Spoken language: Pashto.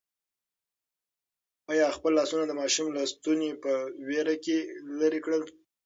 انا خپل لاسونه د ماشوم له ستوني په وېره کې لرې کړل.